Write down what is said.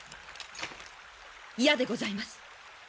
嫌でございます。